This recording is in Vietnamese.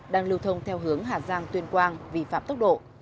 đang lưu thông theo hướng hà giang tuyên quang vi phạm tốc độ